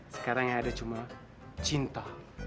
sekarang yang ada cuma cinta